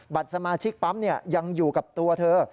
สมาชิกปั๊มยังอยู่กับตัวเธอ